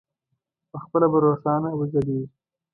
پخپله به روښانه وځلېږي.